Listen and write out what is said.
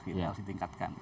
kita harus ditingkatkan